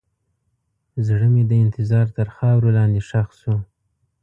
زړه مې د انتظار تر خاورو لاندې ښخ شو.